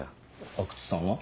阿久津さんは？